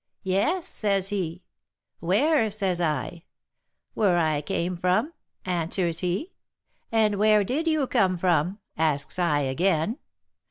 'Yes,' says he. 'Where?' says I. 'Where I came from,' answers he. 'And where did you come from?' asks I again.